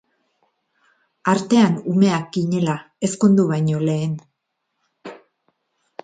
Artean umeak ginela, ezkondu baino lehen.